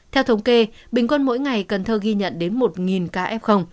theo thống kê bình quân mỗi ngày cần thơ ghi nhận đến một ca f